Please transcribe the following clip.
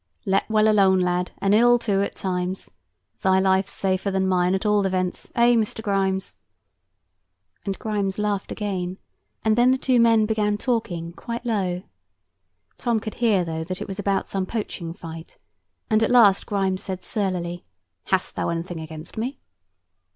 "Let well alone, lad, and ill too at times. Thy life's safer than mine at all events, eh, Mr. Grimes?" And Grimes laughed again, and then the two men began talking, quite low. Tom could hear, though, that it was about some poaching fight; and at last Grimes said surlily, "Hast thou anything against me?"